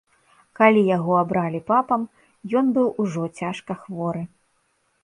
Калі яго абралі папам, ён быў ужо цяжка хворы.